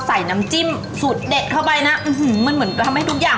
อันนี้ซุกกี้หมูน้ำอันนี้ทะเลแห้ง